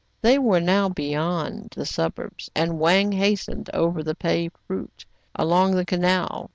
They were now beyond the suburbs, and Wang hastened over the paved route along the canal.